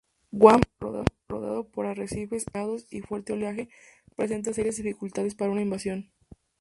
Guam, rodeado por arrecifes, acantilados y fuerte oleaje, presenta serias dificultades para una invasión.